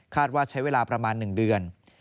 ว่าใช้เวลาประมาณ๑เดือน